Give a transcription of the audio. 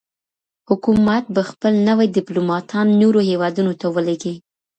حکومت به خپل نوي ډيپلوماتان نورو هېوادونو ته ولېږي.